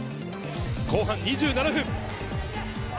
後半２７分。